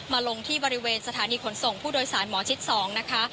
ลงที่บริเวณสถานีขนส่งผู้โดยสารหมอชิด๒นะคะ